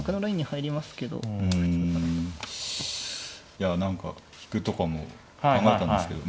いや何か引くとかも考えたんですけど。